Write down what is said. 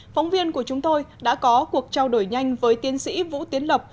phóng viên của chúng tôi đã có cuộc trao đổi nhanh với tiến sĩ vũ tiến lộc